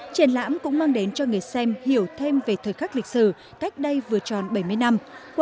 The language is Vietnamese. triển lãm cũng mang đến cho người xem hiểu thêm về thời khắc lịch sử cách đây vừa tròn bảy mươi năm